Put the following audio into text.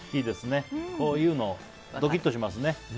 こういうのドキッとしますね。